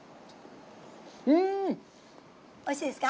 おいしいですか？